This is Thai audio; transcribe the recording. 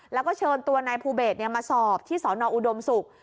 แล้วก็เชิญตัวนายภูเบศมาสอบที่สอนออุดมศุกร์